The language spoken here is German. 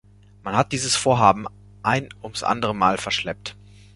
Man hat dieses Vorhaben ein ums andere Mal verschleppt.